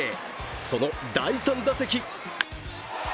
その第３打席。